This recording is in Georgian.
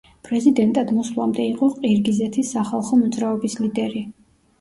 პრეზიდენტად მოსვლამდე იყო ყირგიზეთის სახალხო მოძრაობის ლიდერი.